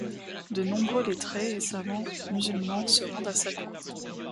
De nombreux lettrés et savants musulmans se rendent à sa cour.